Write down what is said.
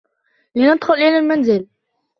لندخل إلى المنزل.